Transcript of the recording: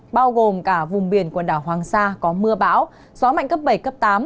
bao gồm cả vùng biển quần đảo hoàng sa có mưa bão gió mạnh cấp bảy cấp tám